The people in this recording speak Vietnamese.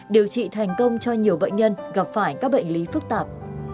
điều trị thành công cho nhiều bệnh nhân gặp phải các bệnh lý phức tạp